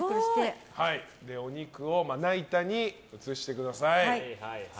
お肉をまな板に移してください。